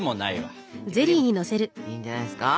いいんじゃないですか！